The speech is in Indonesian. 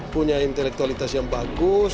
punya intelektualitas yang bagus